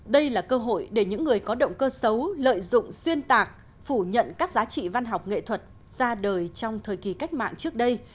đây là cơ hội để những người có động cơ xấu lợi dụng xuyên tạc phủ nhận các giá trị văn học nghệ thuật ra đời trong thời kỳ cách mạng trước đây